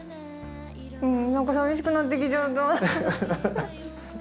何か寂しくなってきちゃった。